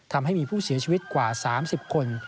ทำให้มีผู้เสียชีวิตกว่า๓๐คน